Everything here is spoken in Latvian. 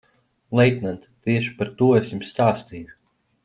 Leitnant, tieši par to es jums stāstīju.